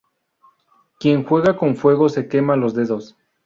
Quien juega con fuego se quema los dedos